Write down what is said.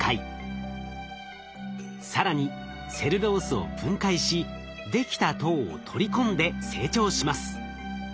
更にセルロースを分解しできた糖を取り込んで成長します。